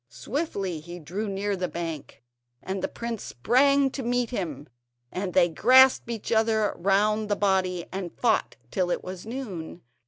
Swiftly he drew near to the bank, and the prince sprang to meet him, and they grasped each other round the body and fought till it was noon.